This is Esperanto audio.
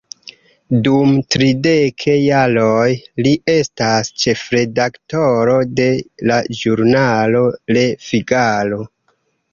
Dum tridek jaroj, li estis ĉefredaktoro de la ĵurnalo "Le Figaro".